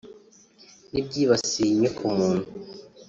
n’ibyibasiye inyokomuntu